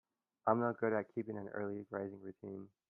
I'm no good at keeping an early rising routine.